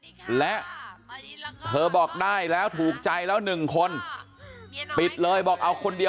ดูท่าทางฝ่ายภรรยาหลวงประธานบริษัทจะมีความสุขที่สุดเลยนะเนี่ย